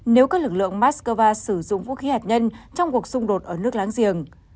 nếu các lực lượng moscow sử dụng vũ khí hạt nhân trong cuộc xung đột ở nước láng giềng